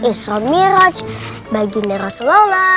isro miroch baginda rasulullah